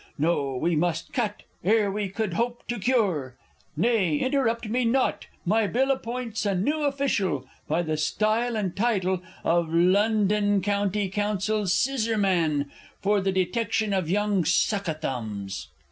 No; we must cut, ere we could hope to cure! Nay, interrupt me not; my Bill appoints A new official, by the style and title Of "London County Council Scissorman," For the detection of young "suck a thumbs."